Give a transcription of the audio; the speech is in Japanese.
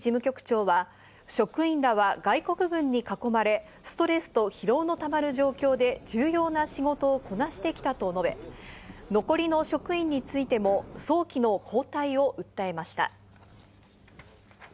ＩＡＥＡのグロッシ事務局長は職員らは外国軍に囲まれ、ストレスと疲労のたまる状況で重要な仕事をこなしてきたと述べ、残りの職員についても早期の交代を訴えました。